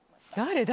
誰？